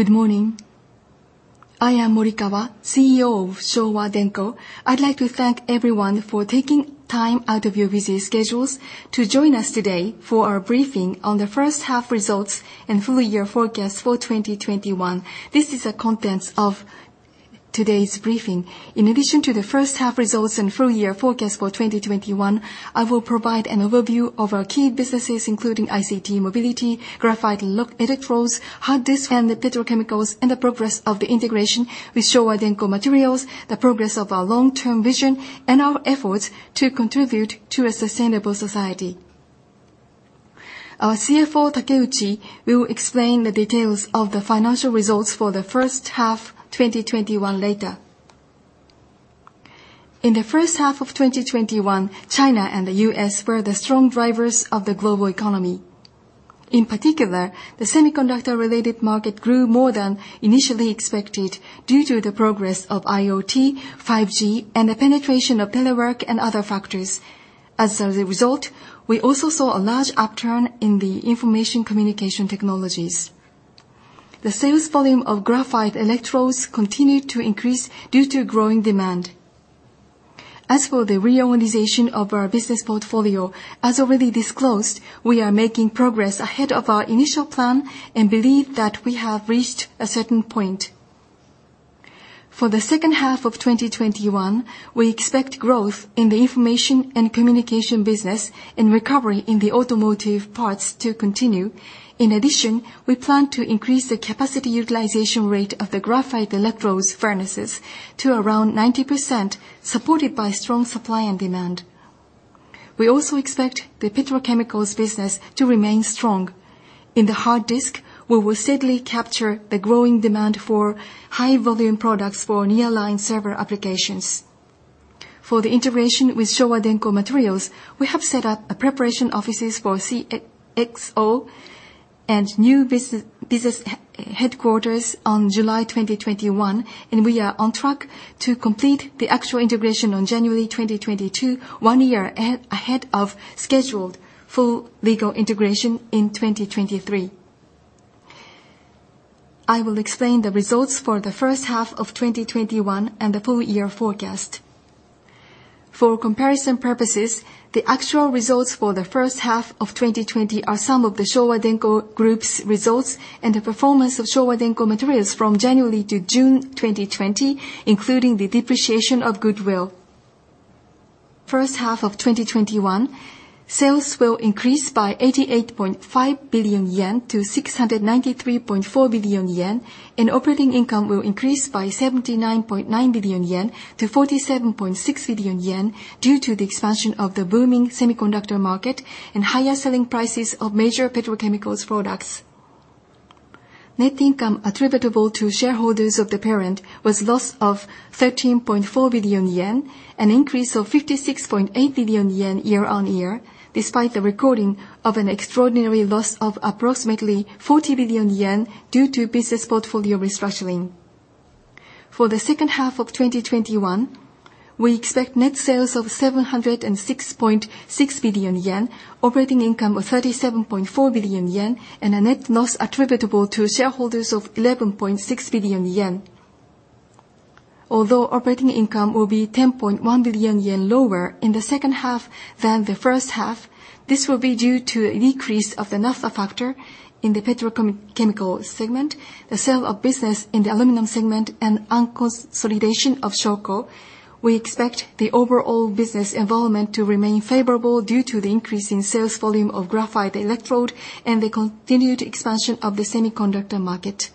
Good morning. I am Morikawa, CEO of Showa Denko. I'd like to thank everyone for taking time out of your busy schedules to join us today for our briefing on the first half results and full year forecast for 2021. This is the contents of today's briefing. In addition to the first half results and full year forecast for 2021, I will provide an overview of our key businesses, including ICT mobility, graphite electrodes, hard disk, and the petrochemicals, and the progress of the integration with Showa Denko Materials, the progress of our long-term vision, and our efforts to contribute to a sustainable society. Our CFO, Takeuchi, will explain the details of the financial results for the first half 2021 later. In the first half of 2021, China and the U.S. were the strong drivers of the global economy. In particular, the semiconductor-related market grew more than initially expected due to the progress of IoT, 5G, and the penetration of telework and other factors. As a result, we also saw a large upturn in the information communication technologies. The sales volume of graphite electrodes continued to increase due to growing demand. As for the reorganization of our business portfolio, as already disclosed, we are making progress ahead of our initial plan and believe that we have reached a certain point. For the second half of 2021, we expect growth in the information and communication business and recovery in the automotive parts to continue. In addition, we plan to increase the capacity utilization rate of the graphite electrodes furnaces to around 90%, supported by strong supply and demand. We also expect the petrochemicals business to remain strong. In the hard disk, we will steadily capture the growing demand for high-volume products for nearline server applications. For the integration with Showa Denko Materials, we have set up preparation offices for CXO and new business headquarters on July 2021, and we are on track to complete the actual integration on January 2022, one year ahead of scheduled full legal integration in 2023. I will explain the results for the first half of 2021 and the full year forecast. For comparison purposes, the actual results for the first half of 2020 are sum of the Showa Denko Group's results and the performance of Showa Denko Materials from January to June 2020, including the depreciation of goodwill. First half of 2021, sales will increase by 88.5 billion yen to 693.4 billion yen, and operating income will increase by 79.9 billion yen to 47.6 billion yen due to the expansion of the booming semiconductor market and higher selling prices of major petrochemicals products. Net income attributable to shareholders of the parent was loss of 13.4 billion yen, an increase of 56.8 billion yen year-on-year, despite the recording of an extraordinary loss of approximately 40 billion yen due to business portfolio restructuring. For the second half of 2021, we expect net sales of 706.6 billion yen, operating income of 37.4 billion yen, and a net loss attributable to shareholders of 11.6 billion yen. Although operating income will be 10.1 billion yen lower in the second half than the first half, this will be due to a decrease of the naphtha factor in the petrochemicals segment, the sale of business in the aluminum segment, and unconsolidation of Shoko. We expect the overall business environment to remain favorable due to the increase in sales volume of graphite electrode and the continued expansion of the semiconductor market.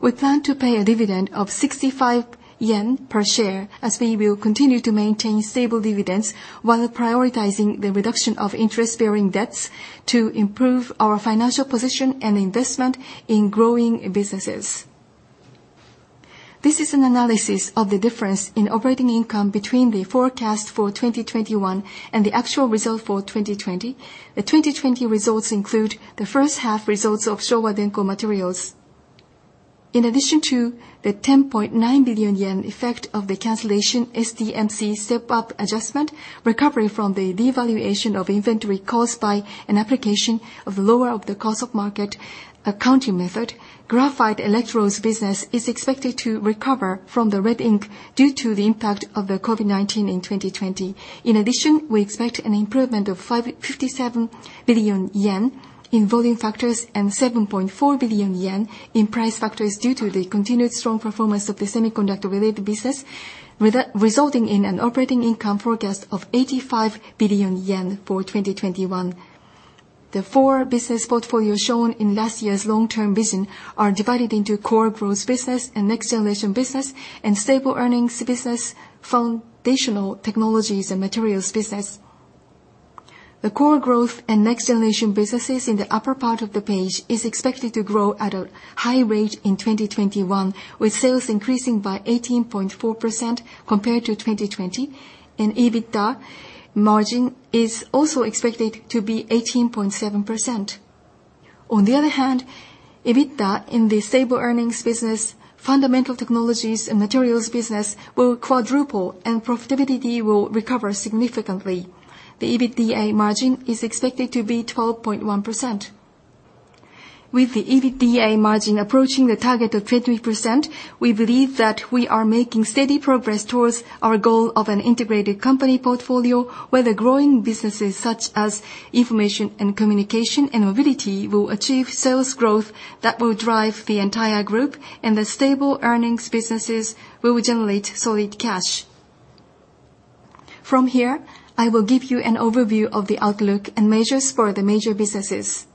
We plan to pay a dividend of 65 yen per share as we will continue to maintain stable dividends while prioritizing the reduction of interest-bearing debts to improve our financial position and investment in growing businesses. This is an analysis of the difference in operating income between the forecast for 2021 and the actual result for 2020. The 2020 results include the first half results of Showa Denko Materials. In addition to the 10.9 billion yen effect of the cancellation SDMC step-up adjustment, recovery from the devaluation of inventory caused by an application of lower of cost or market accounting method, graphite electrodes business is expected to recover from the red ink due to the impact of the COVID-19 in 2020. In addition, we expect an improvement of 57 billion yen in volume factors and 7.4 billion yen in price factors due to the continued strong performance of the semiconductor-related business, resulting in an operating income forecast of 85 billion yen for 2021. The four business portfolios shown in last year's long-term vision are divided into core growth business, and next-generation business, and stable earnings business, foundational technologies and materials business. The core growth and next-generation businesses in the upper part of the page is expected to grow at a high rate in 2021, with sales increasing by 18.4% compared to 2020, and EBITDA margin is also expected to be 18.7%. On the other hand, EBITDA in the stable earnings business, fundamental technologies, and materials business will quadruple, and profitability will recover significantly. The EBITDA margin is expected to be 12.1%. With the EBITDA margin approaching the target of 20%, we believe that we are making steady progress towards our goal of an integrated company portfolio, where the growing businesses such as information and communication and mobility will achieve sales growth that will drive the entire group, and the stable earnings businesses will generate solid cash. From here, I will give you an overview of the outlook and measures for the major businesses.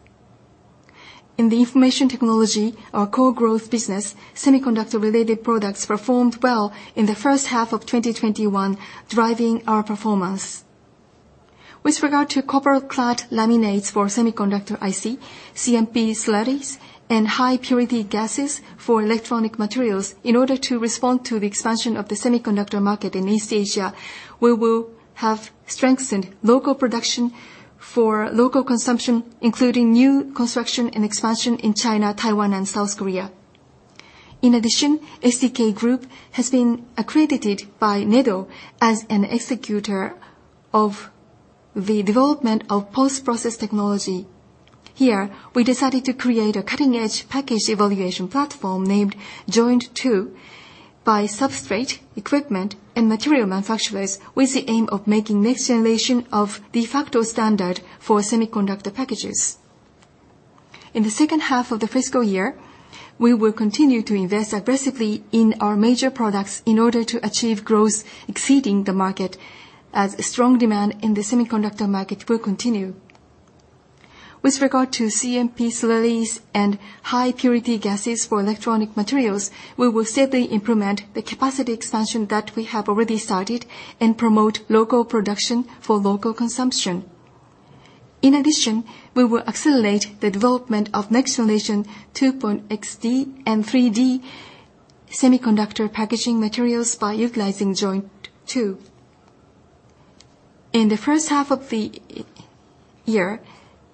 In the information technology, our core growth business, semiconductor-related products performed well in the first half of 2021, driving our performance. With regard to copper clad laminates for semiconductor IC, CMP slurries, and high purity gases for electronic materials, in order to respond to the expansion of the semiconductor market in East Asia, we will have strengthened local production for local consumption, including new construction and expansion in China, Taiwan, and South Korea. In addition, SDK Group has been accredited by NEDO as an executor of the development of post-process technology. Here, we decided to create a cutting-edge package evaluation platform named JOINT2 by substrate, equipment, and material manufacturers with the aim of making next generation of de facto standard for semiconductor packages. In the second half of the fiscal year, we will continue to invest aggressively in our major products in order to achieve growth exceeding the market, as strong demand in the semiconductor market will continue. With regard to CMP slurries and high purity gases for electronic materials, we will steadily implement the capacity expansion that we have already started and promote local production for local consumption. In addition, we will accelerate the development of next generation 2.5D and 3D semiconductor packaging materials by utilizing JOINT2. In the first half of the year,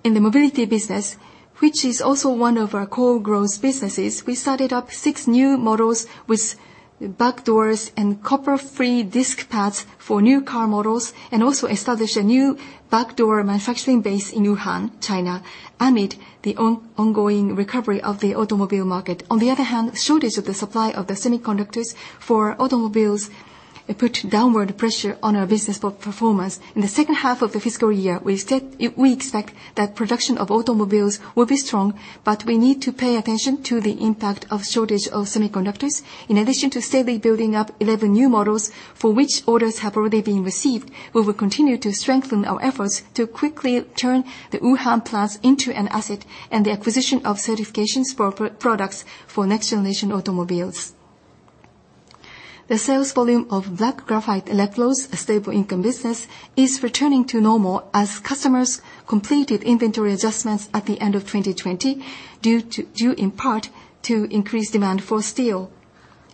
in the mobility business, which is also one of our core growth businesses, we started up six new models with back doors and copper-free disc pads for new car models, and also established a new back door manufacturing base in Wuhan, China, amid the ongoing recovery of the automobile market. On the other hand, shortage of the supply of the semiconductors for automobiles put downward pressure on our business performance. In the second half of the fiscal year, we expect that production of automobiles will be strong, but we need to pay attention to the impact of shortage of semiconductors. In addition to steadily building up 11 new models for which orders have already been received, we will continue to strengthen our efforts to quickly turn the Wuhan plant into an asset, and the acquisition of certifications for products for next generation automobiles. The sales volume of black graphite electrodes, a stable income business, is returning to normal as customers completed inventory adjustments at the end of 2020, due in part to increased demand for steel.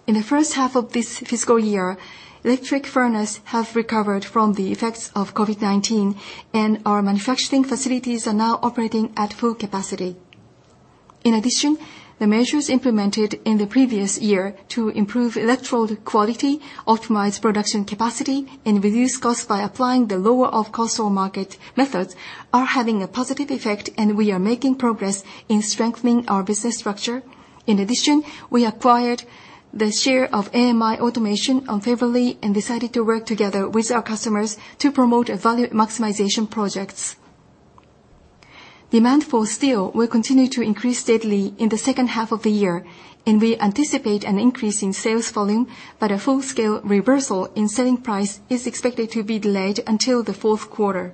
In the first half of this fiscal year, electric furnace have recovered from the effects of COVID-19, and our manufacturing facilities are now operating at full capacity. In addition, the measures implemented in the previous year to improve electrode quality, optimize production capacity, and reduce costs by applying the lower of cost or market methods are having a positive effect, and we are making progress in strengthening our business structure. In addition, we acquired the share of AMI Automation on February and decided to work together with our customers to promote value maximization projects. Demand for steel will continue to increase steadily in the second half of the year, and we anticipate an increase in sales volume, but a full-scale reversal in selling price is expected to be delayed until the fourth quarter.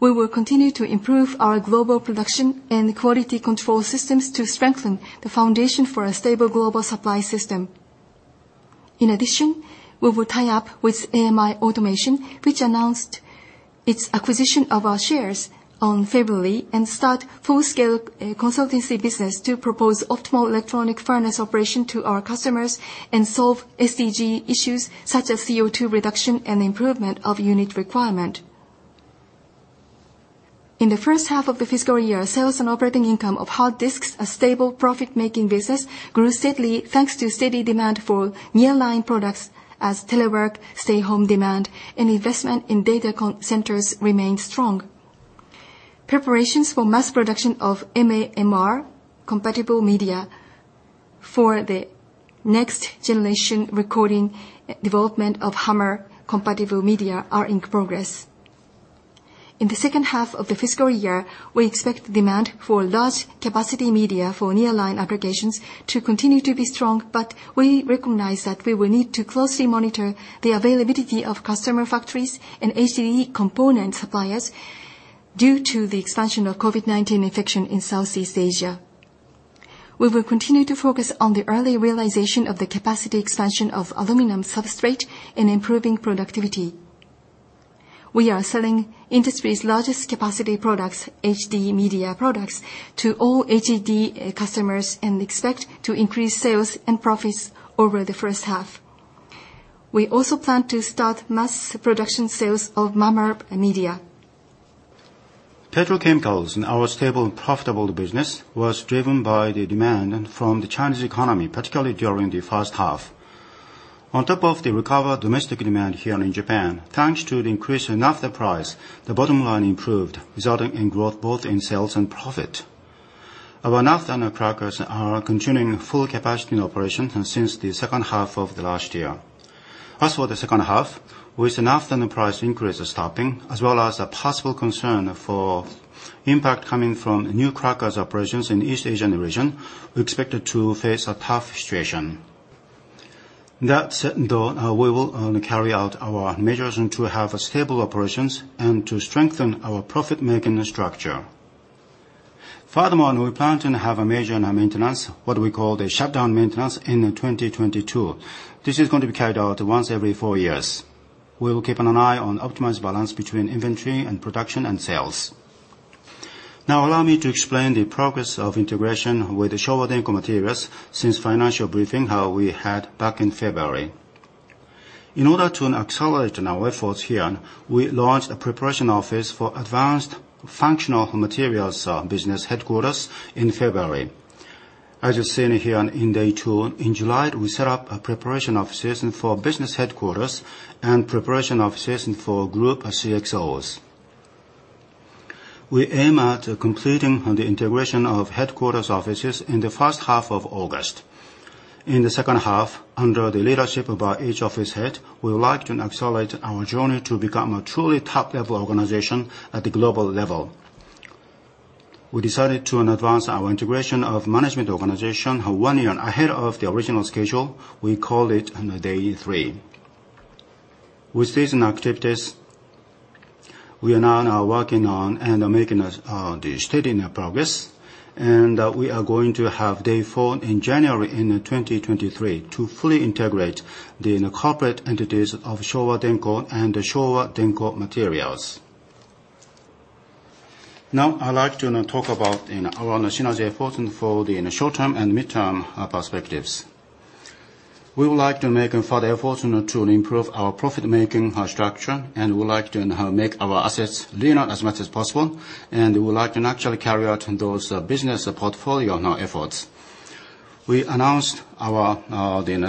We will continue to improve our global production and quality control systems to strengthen the foundation for a stable global supply system. In addition, we will tie up with AMI Automation, which announced its acquisition of our shares on February, and start full-scale consultancy business to propose optimal electronic furnace operation to our customers and solve SDG issues such as CO2 reduction and improvement of unit requirement. In the first half of the fiscal year, sales and operating income of hard disks, a stable profit-making business, grew steadily thanks to steady demand for nearline products as telework, stay-home demand, and investment in data centers remained strong. Preparations for mass production of MAMR compatible media for the next generation recording development of HAMR compatible media are in progress. In the second half of the fiscal year, we expect demand for large capacity media for nearline applications to continue to be strong, but we recognize that we will need to closely monitor the availability of customer factories and HDD component suppliers due to the expansion of COVID-19 infection in Southeast Asia. We will continue to focus on the early realization of the capacity expansion of aluminum substrate and improving productivity. We are selling industry's largest capacity products, HD media products, to all HD customers and expect to increase sales and profits over the first half. We also plan to start mass production sales of MAMR media. Petrochemicals, in our stable and profitable business, was driven by the demand from the Chinese economy, particularly during the first half. On top of the recovered domestic demand here in Japan, thanks to the increase in naphtha price, the bottom line improved, resulting in growth both in sales and profit. Our naphtha crackers are continuing full capacity in operations since the second half of last year. For the second half, with the naphtha price increase stopping, as well as a possible concern for impact coming from new crackers operations in East Asian region, we expected to face a tough situation. That said, though, we will carry out our measures and to have stable operations and to strengthen our profit-making structure. Furthermore, we plan to have a major maintenance, what we call the shutdown maintenance, in 2022. This is going to be carried out once every four years. We will keep an eye on optimized balance between inventory and production and sales. Allow me to explain the progress of integration with Showa Denko Materials since financial briefing we had back in February. In order to accelerate our efforts here, we launched a preparation office for advanced functional materials business headquarters in February. As you've seen here in Day 2, in July, we set up preparation offices for business headquarters and preparation offices for group CXOs. We aim at completing the integration of headquarters offices in the first half of August. In the second half, under the leadership of each office head, we would like to accelerate our journey to become a truly top-level organization at the global level. We decided to advance our integration of management organization one year ahead of the original schedule. We called it Day 3. With these activities, we are now working on and are making a steady progress, and we are going to have Day 4 in January 2023 to fully integrate the corporate entities of Showa Denko and Showa Denko Materials. I'd like to now talk about our synergy efforts for the short-term and midterm perspectives. We would like to make a further effort to improve our profit-making structure, and we would like to make our assets leaner as much as possible, and we would like to actually carry out those business portfolio efforts. We announced our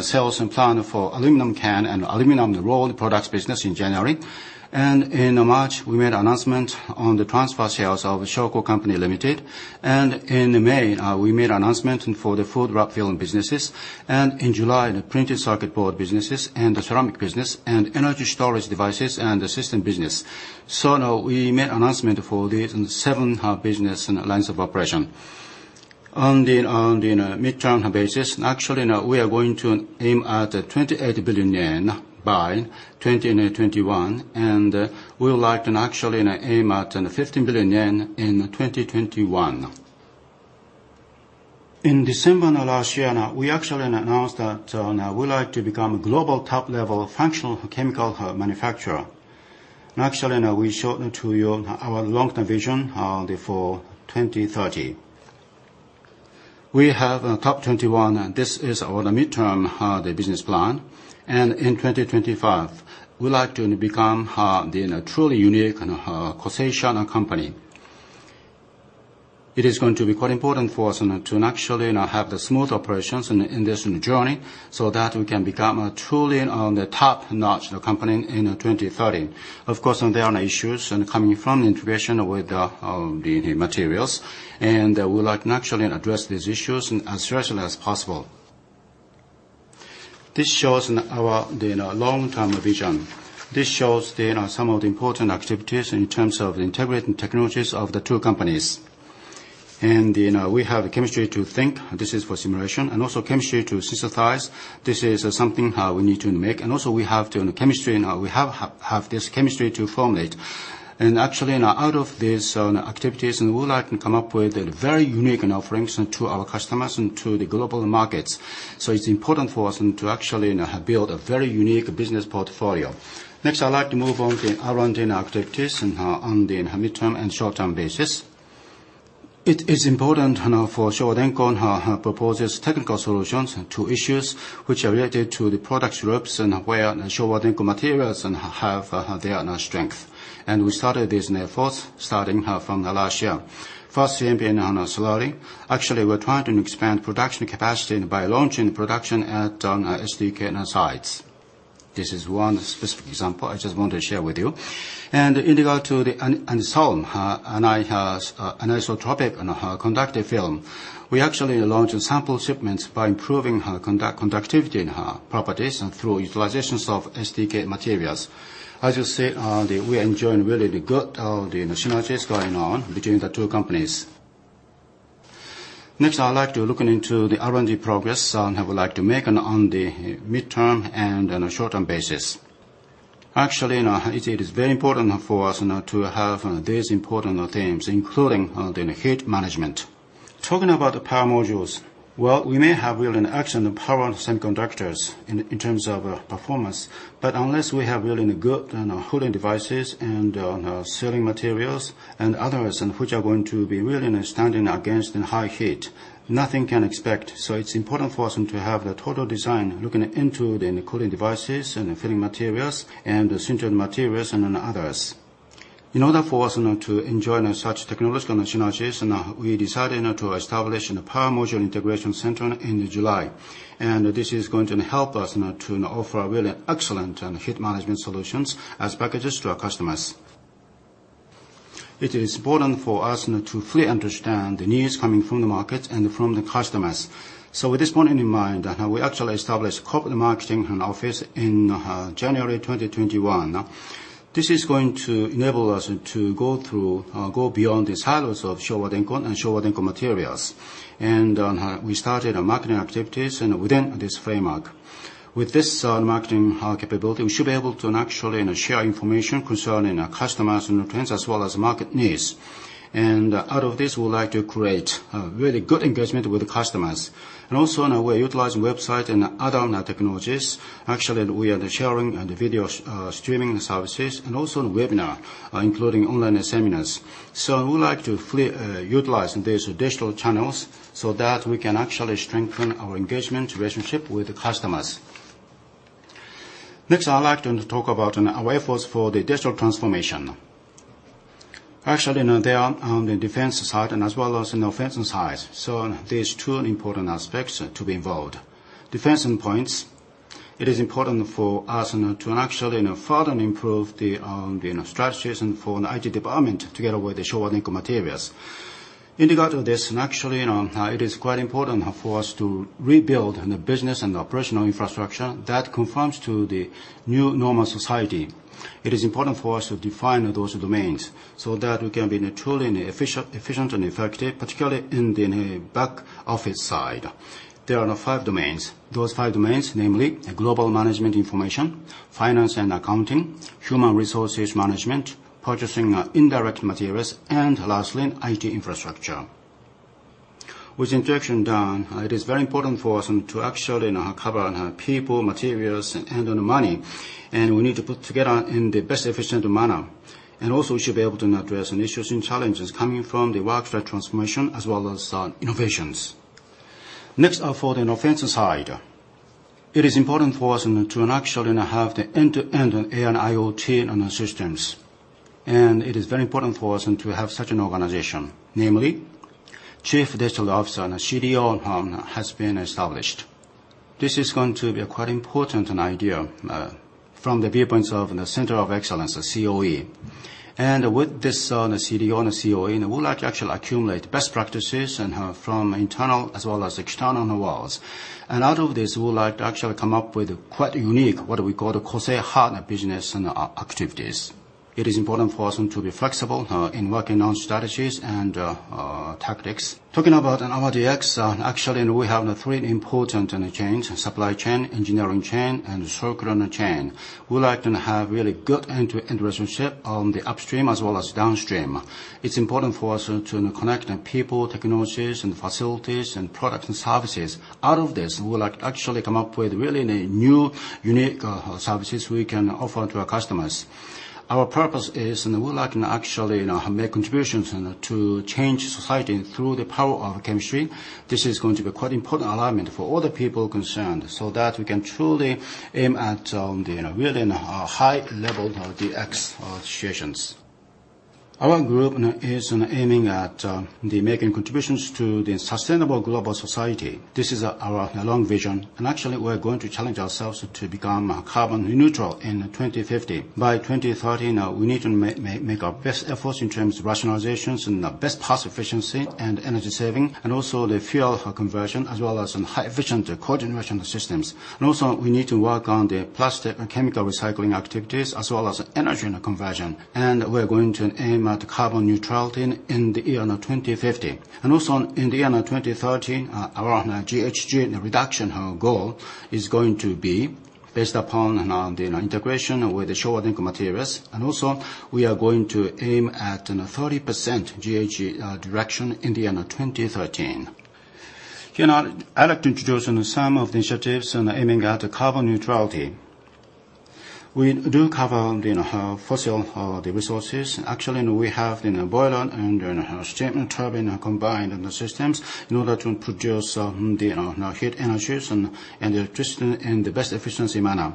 sales plan for aluminum can and aluminum rolled products business in January. In March, we made an announcement on the transfer sales of Shoko Company Limited. In May, we made an announcement for the food wrap film businesses. In July, the printed circuit board businesses and the ceramic business and energy storage devices and system business. Now we made announcement for these seven business lines of operation. On the midterm basis, actually, we are going to aim at 28 billion yen by 2021, and we would like to actually aim at 15 billion yen in 2021. In December of last year, we actually announced that we would like to become a global top-level functional chemical manufacturer. Actually, we showed to you our long-term vision for 2030. We have The TOP 2021, and this is our midterm business plan. In 2025, we would like to become the truly unique [causation company]. It is going to be quite important for us to actually now have the smooth operations in this journey so that we can become a truly top-notch company in 2030. Of course, there are issues coming from the integration with the materials, we would like to actually address these issues as soon as possible. This shows our long-term vision. This shows some of the important activities in terms of integrating technologies of the two companies. We have the chemistry to think, this is for simulation, and also chemistry to synthesize. This is something we need to make. We have this chemistry to formulate. Actually, out of these activities, we would like to come up with a very unique offerings to our customers and to the global markets. It's important for us to actually build a very unique business portfolio. Next, I'd like to move on to R&D activities on the midterm and short-term basis. It is important for Showa Denko proposes technical solutions to issues which are related to the product groups and where Showa Denko Materials have their strength. We started this effort starting from the last year. First, CMP and Annealing. Actually, we're trying to expand production capacity by launching production at SDK sites. This is one specific example I just want to share with you. In regard to the ANISOLM, anisotropic conductive film, we actually launched sample shipments by improving conductivity properties through utilizations of SDK materials. As you see, we are enjoying really the good synergies going on between the two companies. Next, I would like to look into the R&D progress I would like to make on the midterm and on a short-term basis. Actually, it is very important for us to have these important themes, including the heat management. Talking about the power modules, well, we may have really excellent power semiconductors in terms of performance, unless we have really good cooling devices and sealing materials and others, which are going to be really standing against in high heat, nothing can expect. It's important for us to have the total design looking into the cooling devices and the filling materials and the sintered materials and others. In order for us to enjoy such technological synergies, we decided to establish a Power Module Integration Center in July. This is going to help us to offer really excellent heat management solutions as packages to our customers. It is important for us to fully understand the needs coming from the market and from the customers. With this point in mind, we actually established Corporate Marketing Office in January 2021. This is going to enable us to go beyond these hurdles of Showa Denko and Showa Denko Materials. We started marketing activities within this framework. With this marketing capability, we should be able to actually share information concerning our customers and the trends as well as market needs. Out of this, we would like to create a really good engagement with the customers. Also, we are utilizing website and other technologies. Actually, we are sharing video streaming services and also webinar, including online seminars. We would like to utilize these digital channels so that we can actually strengthen our engagement relationship with the customers. Next, I would like to talk about our efforts for the digital transformation. Actually, they are on the defense side as well as offense side, so there's two important aspects to be involved. Defense points, it is important for us to actually further improve the strategies for the IT department together with the Showa Denko Materials. In regard to this, actually, it is quite important for us to rebuild the business and operational infrastructure that conforms to the new normal society. It is important for us to define those domains so that we can be truly efficient and effective, particularly in the back office side. There are five domains. Those five domains, namely global management information, finance and accounting, human resources management, purchasing indirect materials, and lastly, IT infrastructure. With interaction done, it is very important for us to actually cover people, materials, and money. We need to put together in the best efficient manner. Also, we should be able to address issues and challenges coming from the work transformation as well as innovations. Next, for the offense side. It is important for us to actually have the end-to-end AI and IoT systems. It is very important for us to have such an organization, namely Chief Digital Officer, and a CDO has been established. This is going to be a quite important idea from the viewpoints of the Center of Excellence, COE. With this CDO and COE, we would like to actually accumulate best practices from internal as well as external worlds. Out of this, we would like to actually come up with quite unique, what we call the KOSAI Heart business activities. It is important for us to be flexible in working on strategies and tactics. Talking about our DX, actually, we have three important chains: supply chain, engineering chain, and circular chain. We would like to have really good end-to-end relationship on the upstream as well as downstream. It's important for us to connect people, technologies, and facilities, and product and services. Out of this, we would like to actually come up with really new unique services we can offer to our customers. Our purpose is we would like to actually make contributions to change society through the power of chemistry. This is going to be quite important alignment for all the people concerned, so that we can truly aim at the really high level of DX associations. Our group is aiming at making contributions to the sustainable global society. This is our long vision, and actually, we are going to challenge ourselves to become carbon neutral in 2050. By 2030, we need to make our best efforts in terms of rationalizations and best power efficiency and energy saving, and also the fuel conversion, as well as efficient cogeneration systems. We need to work on the plastic chemical recycling activities as well as energy conversion. We are going to aim at carbon neutrality in 2050. In 2030, our GHG reduction goal is going to be based upon the integration with Showa Denko Materials. We are going to aim at a 30% GHG reduction in 2030. I'd like to introduce some of the initiatives aiming at carbon neutrality. We do cover the fossil resources. We have boiler and steam turbine combined systems in order to produce the heat energies and electricity in the best efficiency manner.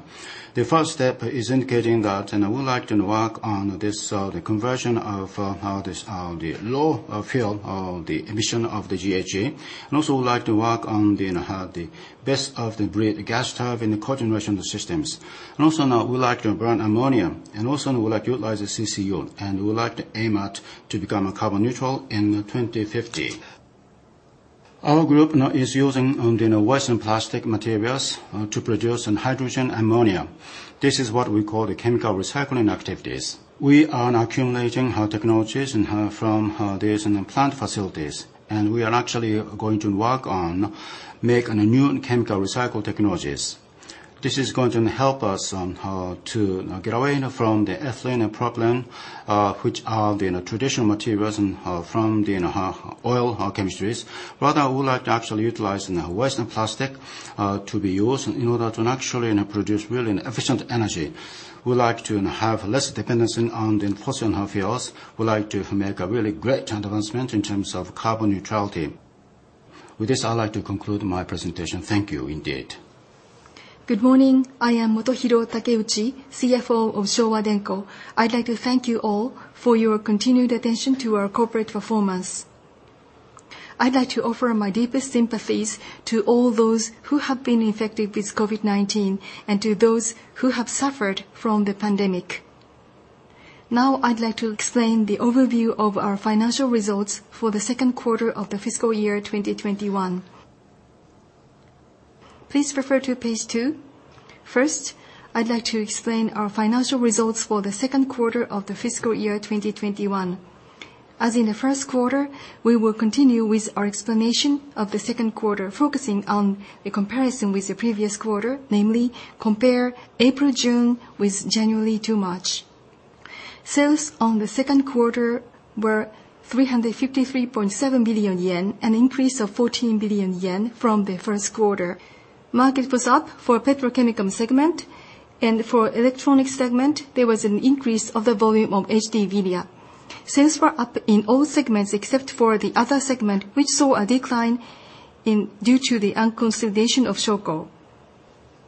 The first step is indicating that we would like to work on this, the conversion of the low-fuel emission of the GHG. We would like to work on the best-of-breed gas turbine cogeneration systems. We would like to burn ammonia, we would like utilize the CCU, we would like to aim to become carbon neutral in 2050. Our group is using the waste plastic materials to produce hydrogen ammonia. This is what we call the chemical recycling activities. We are accumulating technologies from these plant facilities, and we are going to work on making new chemical recycle technologies. This is going to help us to get away from the ethylene problem, which are the traditional materials from the oil chemistries. Rather, we would like to utilize waste plastic to be used in order to produce really efficient energy. We would like to have less dependence on the fossil fuels. We would like to make a really great advancement in terms of carbon neutrality. With this, I would like to conclude my presentation. Thank you, indeed. Good morning. I am Motohiro Takeuchi, CFO of Showa Denko. I'd like to thank you all for your continued attention to our corporate performance. I'd like to offer my deepest sympathies to all those who have been infected with COVID-19 and to those who have suffered from the pandemic. I'd like to explain the overview of our financial results for the second quarter of the fiscal year 2021. Please refer to page two. First, I'd like to explain our financial results for the second quarter of the fiscal year 2021. As in the first quarter, we will continue with our explanation of the second quarter, focusing on the comparison with the previous quarter, namely compare April-June with January-March. Sales on the second quarter were 353.7 billion yen, an increase of 14 billion yen from the first quarter. Market was up for petrochemical segment. For Electronics segment, there was an increase of the volume of [HD media]. Sales were up in all segments except for the other segment, which saw a decline due to the consolidation of Shoko.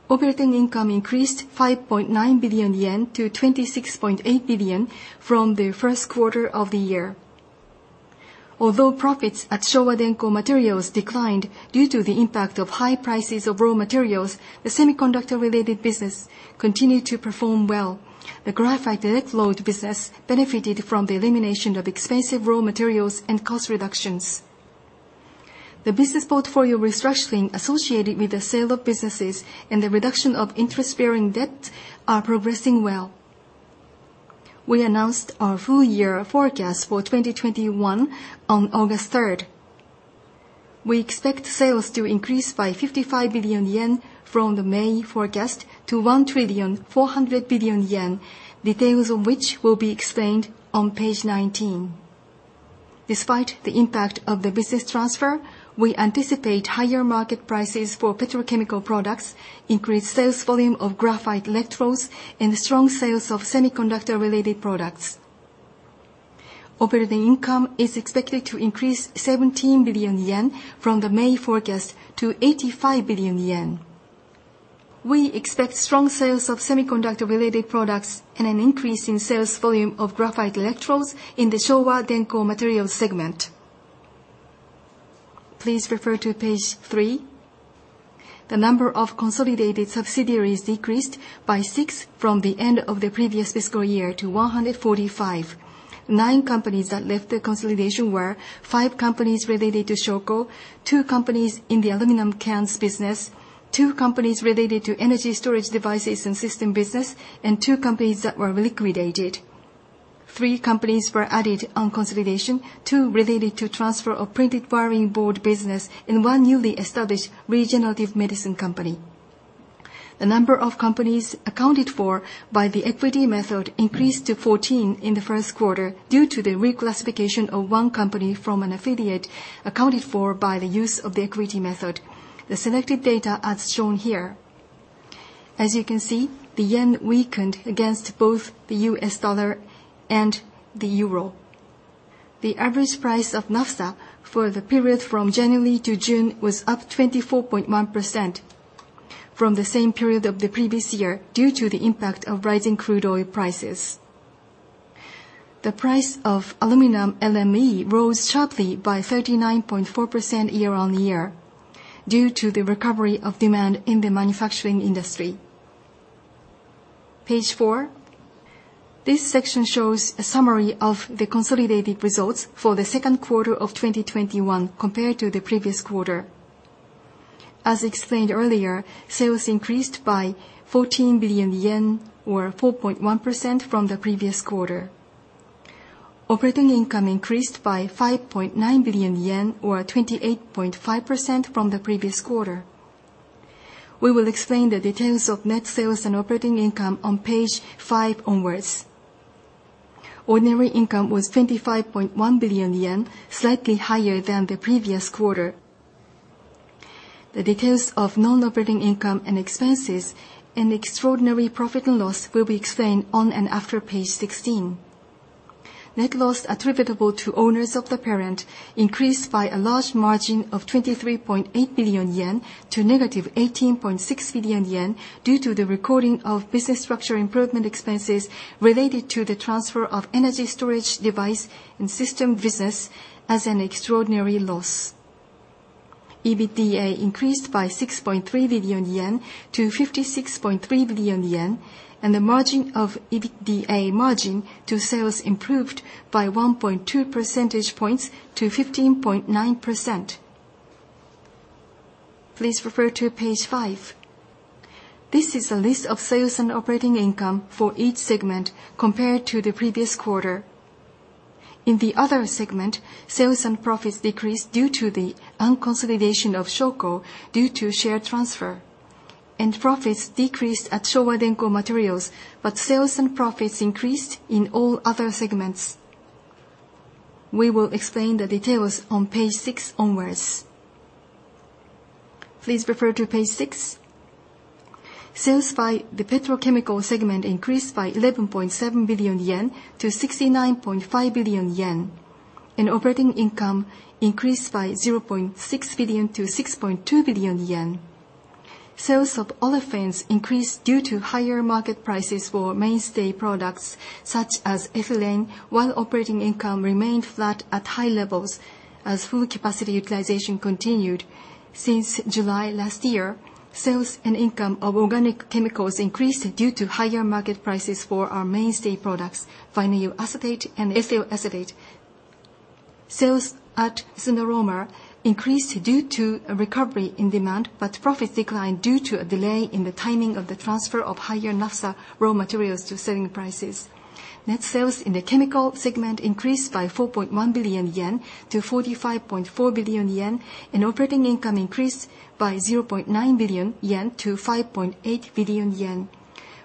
Operating income increased 5.9 billion yen to 26.8 billion from the first quarter of the year. Although profits at Showa Denko Materials declined due to the impact of high prices of raw materials, the semiconductor-related business continued to perform well. The graphite electrode business benefited from the elimination of expensive raw materials and cost reductions. The business portfolio restructuring associated with the sale of businesses and the reduction of interest-bearing debt are progressing well. We announced our full year forecast for 2021 on August 3rd. We expect sales to increase by 55 billion yen from the May forecast to 1,400 billion yen, details of which will be explained on page 19. Despite the impact of the business transfer, we anticipate higher market prices for petrochemical products, increased sales volume of graphite electrodes, and strong sales of semiconductor-related products. Operating income is expected to increase 17 billion yen from the May forecast to 85 billion yen. We expect strong sales of semiconductor-related products and an increase in sales volume of graphite electrodes in the Showa Denko Materials segment. Please refer to page three. The number of consolidated subsidiaries decreased by six from the end of the previous fiscal year to 145. Nine companies that left the consolidation were five companies related to Shoko, two companies in the aluminum cans business, two companies related to energy storage devices and system business, and two companies that were liquidated. Three companies were added on consolidation, two related to transfer of printed wiring board business, and one newly established regenerative medicine company. The number of companies accounted for by the equity method increased to 14 in the first quarter due to the reclassification of one company from an affiliate accounted for by the use of the equity method. The selected data as shown here. As you can see, the yen weakened against both the US dollar and the euro. The average price of naphtha for the period from January to June was up 24.1% from the same period of the previous year due to the impact of rising crude oil prices. The price of aluminum, LME, rose sharply by 39.4% year-on-year due to the recovery of demand in the manufacturing industry. Page four. This section shows a summary of the consolidated results for the second quarter of 2021 compared to the previous quarter. As explained earlier, sales increased by 14 billion yen or 4.1% from the previous quarter. Operating income increased by 5.9 billion yen or 28.5% from the previous quarter. We will explain the details of net sales and operating income on page five onwards. Ordinary income was 25.1 billion yen, slightly higher than the previous quarter. The details of non-operating income and expenses and extraordinary profit and loss will be explained on and after page 16. Net loss attributable to owners of the parent increased by a large margin of 23.8 billion yen to negative 18.6 billion yen due to the recording of business structure improvement expenses related to the transfer of energy storage device and system business as an extraordinary loss. EBITDA increased by 6.3 billion yen to 56.3 billion yen, and the margin of EBITDA margin to sales improved by 1.2 percentage points to 15.9%. Please refer to page five. This is a list of sales and operating income for each segment compared to the previous quarter. In the other segment, sales and profits decreased due to the unconsolidation of Shoko due to share transfer. Profits decreased at Showa Denko Materials, but sales and profits increased in all other segments. We will explain the details on page six onwards. Please refer to page six. Sales by the petrochemical segment increased by 11.7 billion yen to 69.5 billion yen. Operating income increased by 0.6 billion to 6.2 billion yen. Sales of olefins increased due to higher market prices for mainstay products such as ethylene, while operating income remained flat at high levels as full capacity utilization continued. Since July last year, sales and income of organic chemicals increased due to higher market prices for our mainstay products, vinyl acetate and ethyl acetate. Sales at SunAllomer increased due to a recovery in demand, but profits declined due to a delay in the timing of the transfer of higher naphtha raw materials to selling prices. Net sales in the chemical segment increased by 4.1 billion yen to 45.4 billion yen, and operating income increased by 0.9 billion yen to 5.8 billion yen.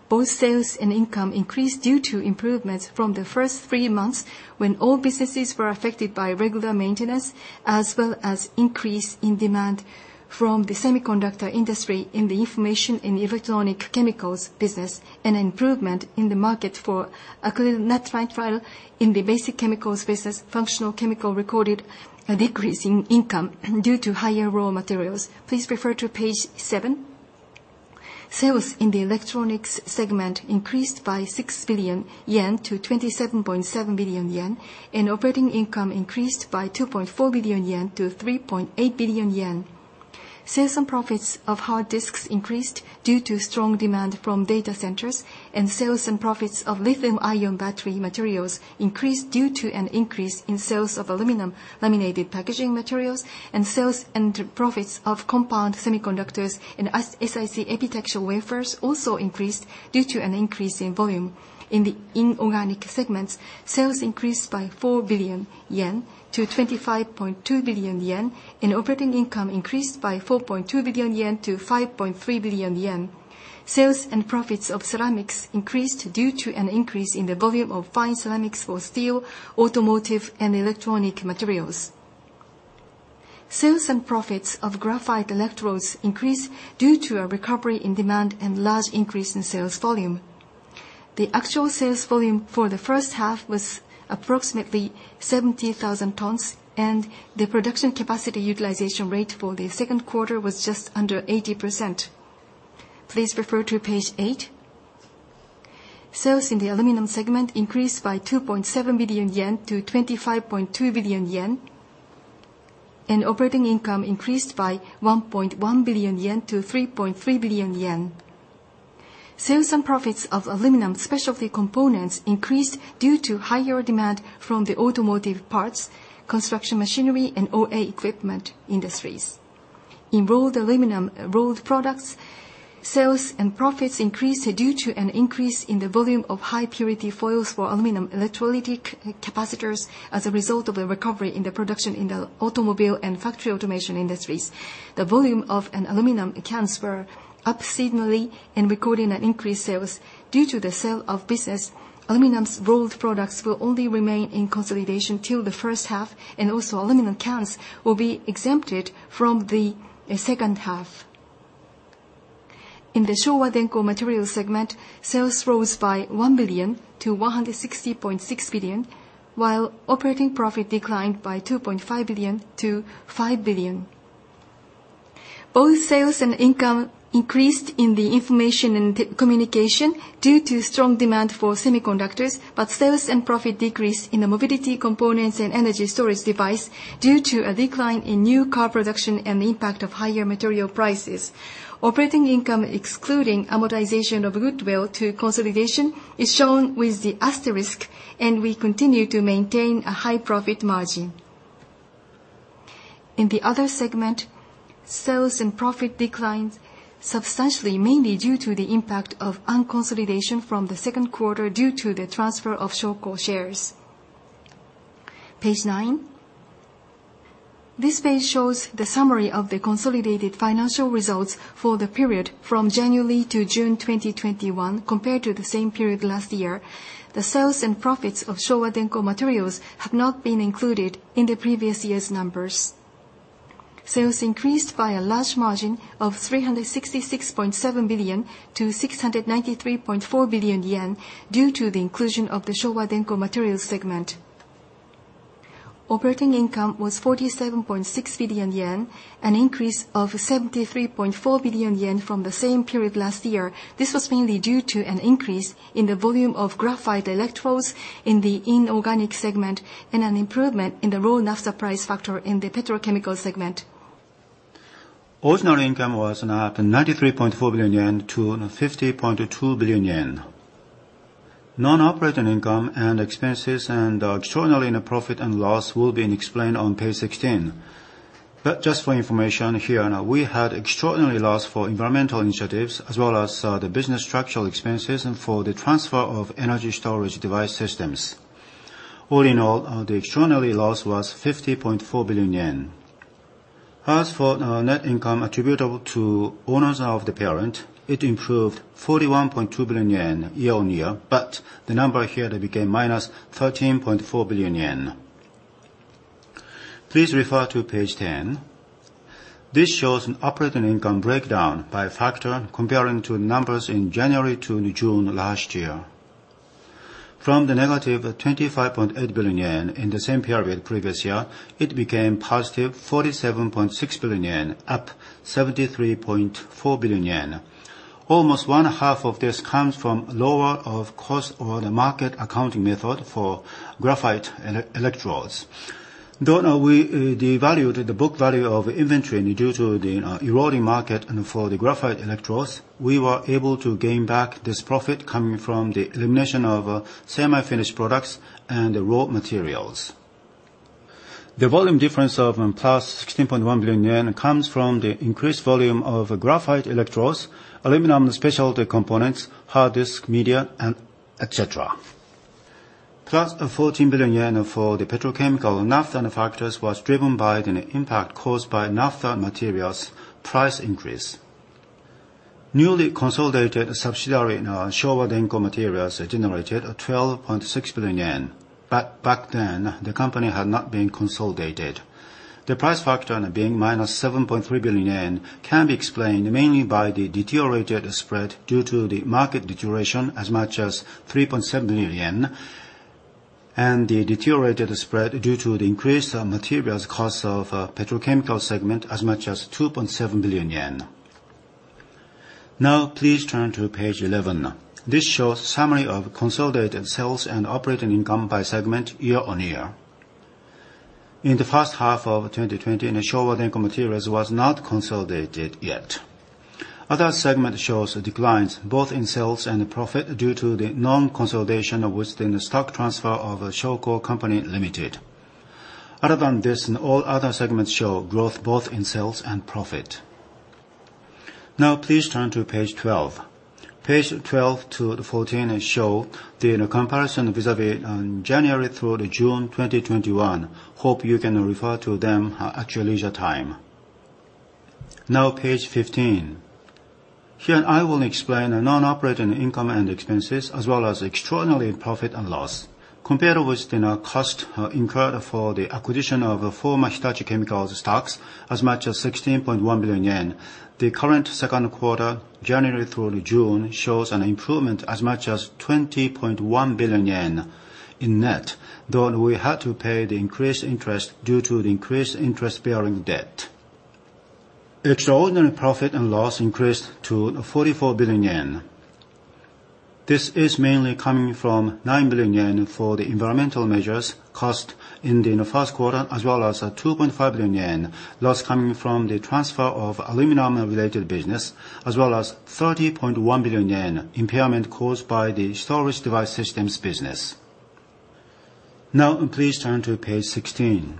Both sales and income increased due to improvements from the first three months, when all businesses were affected by regular maintenance, as well as increase in demand from the semiconductor industry in the information and electronic chemicals business, and improvement in the market for acrylonitrile. In the basic chemicals business, functional chemical recorded a decrease in income due to higher raw materials. Please refer to page seven. Sales in the electronics segment increased by 6 billion yen to 27.7 billion yen, and operating income increased by 2.4 billion yen to 3.8 billion yen. Sales and profits of hard disks increased due to strong demand from data centers, and sales and profits of lithium-ion battery materials increased due to an increase in sales of aluminum laminated packaging materials. Sales and profits of compound semiconductors and SiC epitaxial wafers also increased due to an increase in volume. In the inorganic segments, sales increased by 4 billion yen to 25.2 billion yen, and operating income increased by 4.2 billion yen to 5.3 billion yen. Sales and profits of ceramics increased due to an increase in the volume of fine ceramics for steel, automotive, and electronic materials. Sales and profits of graphite electrodes increased due to a recovery in demand and large increase in sales volume. The actual sales volume for the first half was approximately 70,000 tons, and the production capacity utilization rate for the second quarter was just under 80%. Please refer to page eight. Sales in the aluminum segment increased by 2.7 billion yen to 25.2 billion yen, and operating income increased by 1.1 billion yen to 3.3 billion yen. Sales and profits of aluminum specialty components increased due to higher demand from the automotive parts, construction machinery, and OA equipment industries. In rolled aluminum rolled products, sales and profits increased due to an increase in the volume of high-purity foils for aluminum electrolytic capacitors as a result of a recovery in the production in the automobile and factory automation industries. The volume of an aluminum cans were up seasonally and recording an increased sales. Due to the sale of business, aluminum's rolled products will only remain in consolidation till the first half, and also aluminum cans will be exempted from the second half. In the Showa Denko Materials segment, sales rose by 1 billion to 160.6 billion, while operating profit declined by 2.5 billion to 5 billion. Both sales and income increased in the information and communication due to strong demand for semiconductors, but sales and profit decreased in the mobility components and energy storage device due to a decline in new car production and the impact of higher material prices. Operating income, excluding amortization of goodwill to consolidation, is shown with the asterisk, and we continue to maintain a high profit margin. In the other segment, sales and profit declined substantially, mainly due to the impact of unconsolidation from the second quarter due to the transfer of Showa shares. Page nine. This page shows the summary of the consolidated financial results for the period from January to June 2021 compared to the same period last year. The sales and profits of Showa Denko Materials have not been included in the previous year's numbers. Sales increased by a large margin of 366.7 billion to 693.4 billion yen due to the inclusion of the Showa Denko Materials segment. Operating income was 47.6 billion yen, an increase of 73.4 billion yen from the same period last year. This was mainly due to an increase in the volume of graphite electrodes in the inorganic segment and an improvement in the raw naphtha price factor in the petrochemical segment. Ordinary income was 93.4 billion yen to 50.2 billion yen. Non-operating income and expenses and extraordinary net profit and loss will be explained on page 16. Just for information here, we had extraordinary loss for environmental initiatives as well as the business structural expenses, and for the transfer of energy storage device systems. All in all, the extraordinary loss was 50.4 billion yen. As for net income attributable to owners of the parent, it improved 41.2 billion yen year-on-year, but the number here became -13.4 billion yen. Please refer to page 10. This shows an operating income breakdown by factor comparing to numbers in January to June last year. From the -25.8 billion yen in the same period previous year, it became 47.6 billion yen, up 73.4 billion yen. Almost one half of this comes from lower of cost or market accounting method for graphite electrodes. Now we devalued the book value of inventory due to the eroding market and for the graphite electrodes, we were able to gain back this profit coming from the elimination of semi-finished products and raw materials. The volume difference of 16.1 billion yen comes from the increased volume of graphite electrodes, aluminum specialty components, hard disk media, et cetera. The 14 billion yen for the petrochemical naphtha manufacturers was driven by the impact caused by naphtha materials price increase. Newly consolidated subsidiary Showa Denko Materials generated 12.6 billion yen. Back then, the company had not been consolidated. The price factor, being -7.3 billion yen, can be explained mainly by the deteriorated spread due to the market deterioration as much as 3.7 billion yen, and the deteriorated spread due to the increased materials cost of petrochemical segment as much as 2.7 billion yen. Please turn to page 11. This shows summary of consolidated sales and operating income by segment year-on-year. In the first half of 2020, Showa Denko Materials was not consolidated yet. Other segment shows declines both in sales and profit due to the non-consolidation with the stock transfer of Shoko Co., Ltd. Other than this, all other segments show growth both in sales and profit. Please turn to page 12. Page 12 to 14 show the comparison vis-à-vis January through to June 2021. Hope you can refer to them at your leisure time. Page 15. Here, I will explain the non-operating income and expenses as well as extraordinary profit and loss compared with the cost incurred for the acquisition of former Hitachi Chemical stocks as much as 16.1 billion yen. The current second quarter, January through June, shows an improvement as much as 20.1 billion yen in net, though we had to pay the increased interest due to the increased interest-bearing debt. Extraordinary profit and loss increased to 44 billion yen. This is mainly coming from 9 billion yen for the environmental measures cost in the first quarter, as well as a 2.5 billion yen loss coming from the transfer of aluminum-related business, as well as 30.1 billion yen impairment caused by the storage device systems business. Please turn to page 16.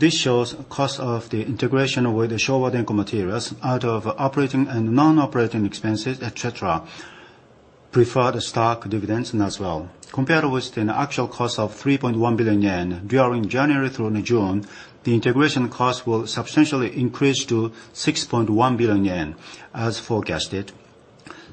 This shows cost of the integration with the Showa Denko Materials out of operating and non-operating expenses, et cetera, preferred stock dividends as well. Compared with the actual cost of 3.1 billion yen during January through June, the integration cost will substantially increase to 6.1 billion yen as forecasted.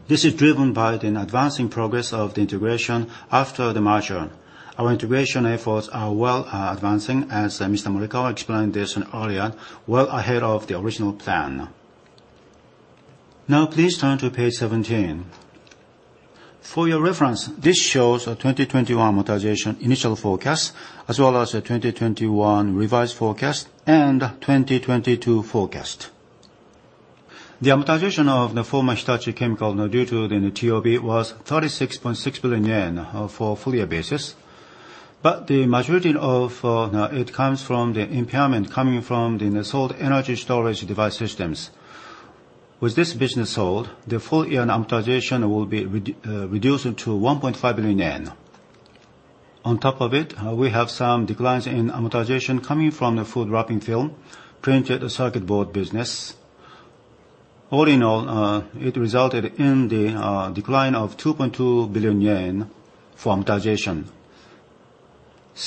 This is driven by the advancing progress of the integration after the merger. Our integration efforts are well advancing, as Mr. Morikawa explained this earlier, well ahead of the original plan. Please turn to page 17. For your reference, this shows our 2021 amortization initial forecast as well as our 2021 revised forecast and 2022 forecast. The amortization of the former Hitachi Chemical due to the TOB was 36.6 billion yen for full year basis, but the majority of it comes from the impairment coming from the sold energy storage device systems. With this business sold, the full year amortization will be reduced to 1.5 billion yen. On top of it, we have some declines in amortization coming from the food wrapping film printed circuit board business. All in all, it resulted in the decline of 2.2 billion yen for amortization.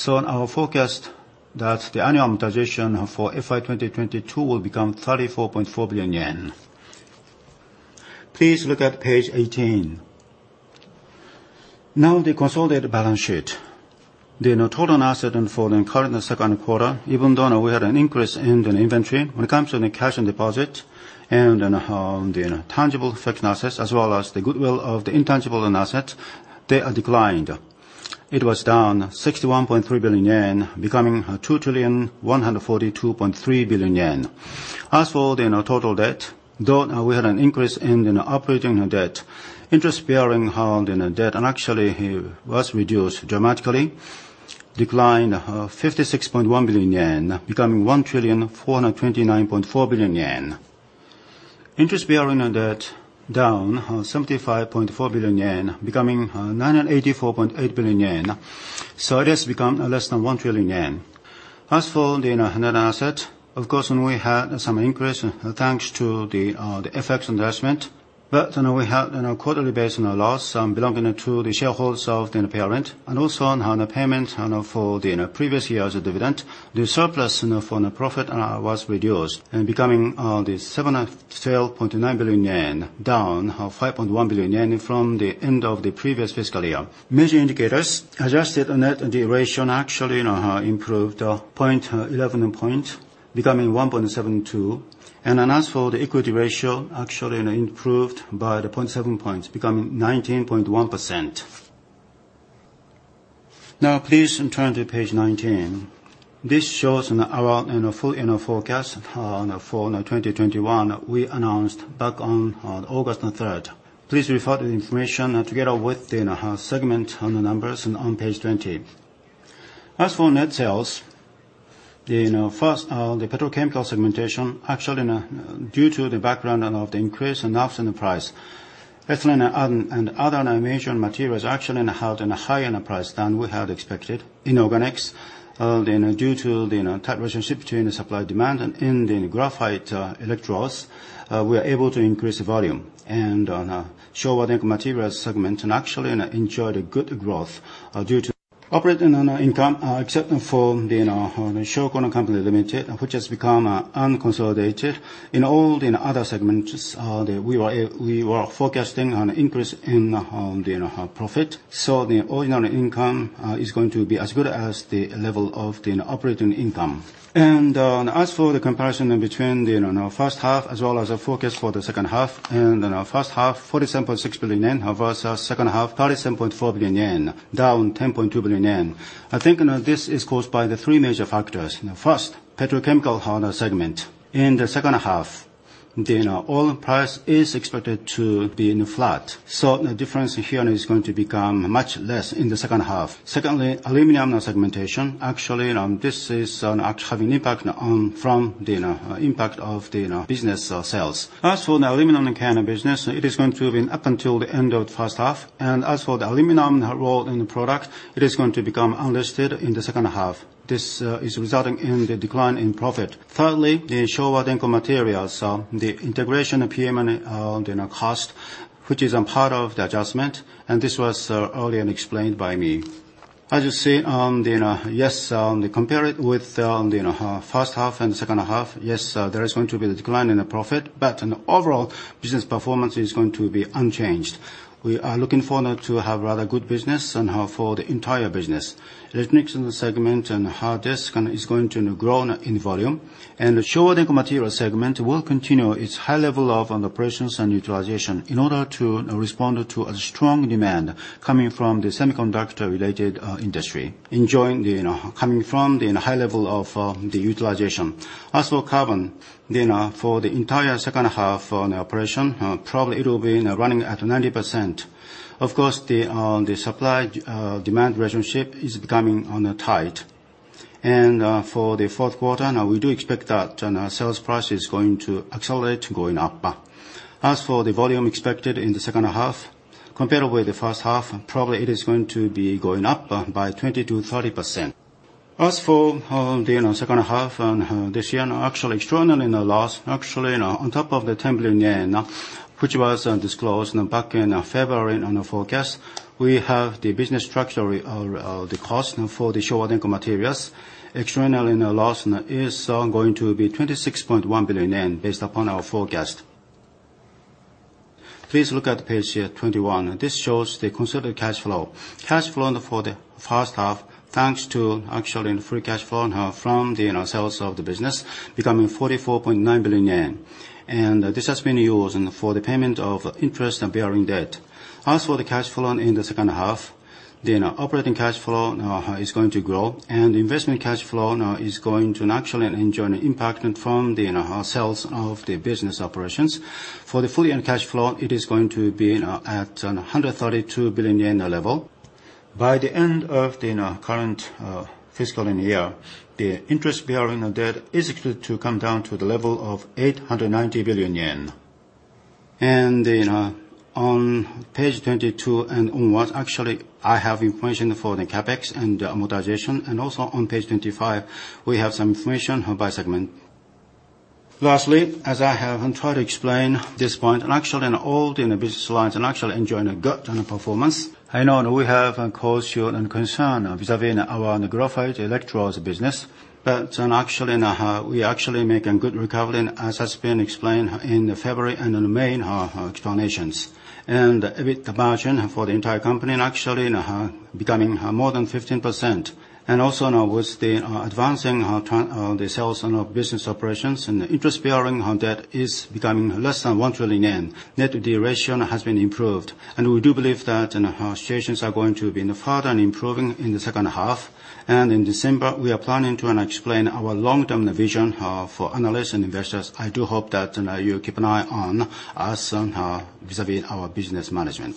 In our forecast, that's the annual amortization for FY 2022 will become 34.4 billion yen. Please look at page 18. The consolidated balance sheet. The total asset for the current second quarter, even though we had an increase in the inventory when it comes to the cash and deposit and the tangible fixed assets, as well as the goodwill of the intangible assets, they are declined. It was down JPY 61.3 billion, becoming JPY 2,142.3 billion. As for the total debt, though we had an increase in operating debt, interest-bearing debt actually was reduced dramatically, declined JPY 56.1 billion, becoming JPY 1,429.4 billion. Interest-bearing debt down 75.4 billion yen, becoming 984.8 billion yen. It has become less than 1 trillion yen. As for the net asset, of course, we had some increase thanks to the effects investment. We had a quarterly based net loss belonging to the shareholders of the parent and also on payment for the previous year's dividend. The surplus from the profit was reduced, becoming the 712.9 billion yen, down 5.1 billion yen from the end of the previous fiscal year. Major indicators, adjusted net debt ratio actually improved 11 point, becoming 1.72. As for the equity ratio, actually improved by the 0.7 points, becoming 19.1%. Please turn to page 19. This shows our full forecast for 2021 we announced back on August 3rd. Please refer to the information together with the segment on the numbers on page 20. As for net sales, first, the petrochemical segmentation, actually due to the background of the increase in ethylene price. Ethylene and other major materials actually had a higher price than we had expected. In organics, due to the tight relationship between the supply-demand in the graphite electrodes, we are able to increase volume. Showa Denko Materials segment actually enjoyed a good growth due to operating income, except for the Shoko Company Limited, which has become unconsolidated. In all the other segments, we were forecasting an increase in profit. The ordinary income is going to be as good as the level of the operating income. As for the comparison between our first half as well as our forecast for the second half, in our first half, 47.6 billion yen versus second half, 37.4 billion yen, down 10.2 billion yen. I think this is caused by the three major factors. First, petrochemical segment. In the second half, the oil price is expected to be flat. The difference here is going to become much less in the second half. Secondly, aluminum segmentation. Actually, this is having impact from the impact of the business sales. As for the aluminum can business, it is going to be up until the end of first half, and as for the aluminum rolled product, it is going to become unlisted in the second half. This is resulting in the decline in profit. Thirdly, the Showa Denko Materials. The integration PM cost, which is a part of the adjustment, and this was earlier explained by me. As you see, yes, compare it with the first half and second half, yes, there is going to be a decline in the profit, but overall business performance is going to be unchanged. We are looking forward to have rather good business for the entire business. Electronics segment and hard disk is going to grow in volume. The Showa Denko Materials segment will continue its high level of operations and utilization in order to respond to a strong demand coming from the semiconductor-related industry, coming from the high level of the utilization. As for carbon, for the entire second half operation, probably it will be running at 90%. Of course, the supply-demand relationship is becoming tight. For the fourth quarter, we do expect that sales price is going to accelerate going up. As for the volume expected in the second half, compared with the first half, probably it is going to be going up by 20%-30%. As for the second half this year, actually extraordinary loss, actually on top of the JPY 10 billion, which was disclosed back in February on our forecast, we have the business structure, the cost for the Showa Denko Materials. Extraordinary loss is going to be 26.1 billion yen based upon our forecast. Please look at page 21. This shows the consolidated cash flow. Cash flow for the first half, thanks to actually free cash flow from the sales of the business becoming 44.9 billion yen. This has been used for the payment of interest and bearing debt. As for the cash flow in the second half, the operating cash flow is going to grow and investment cash flow is going to actually enjoy an impact from the sales of the business operations. For the full year cash flow, it is going to be at 132 billion yen level. By the end of the current fiscal year, the interest bearing on debt is expected to come down to the level of 890 billion yen. On page 22 onwards, actually, I have information for the CapEx and amortization, also on page 25, we have some information by segment. Lastly, as I have tried to explain this point, actually in all the business lines are actually enjoying a good performance. I know that we have caused you concern vis-à-vis our graphite electrodes business. We actually make a good recovery, as has been explained in the February and the May explanations. EBIT margin for the entire company actually becoming more than 15%. Also now with the advancing the sales of business operations, the interest bearing on debt is becoming less than 1 trillion yen. Net debt ratio has been improved. We do believe that our situations are going to be further improving in the second half. In December, we are planning to explain our long-term vision for analysts and investors. I do hope that you keep an eye on us vis-à-vis our business management.